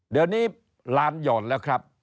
เดี๋ยวนี้ลานหย่อนแล้วครับ